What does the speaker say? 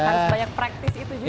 harus banyak praktis itu juga